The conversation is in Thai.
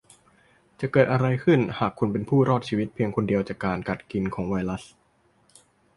จะเกิดอะไรขึ้นหากคุณเป็นผู้รอดชีวิตเพียงคนเดียวจากการกัดกินของไวรัส